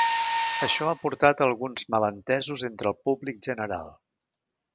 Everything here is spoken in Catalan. Això ha portat a alguns malentesos entre el públic general.